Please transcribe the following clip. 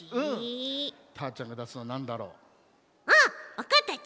わかったち！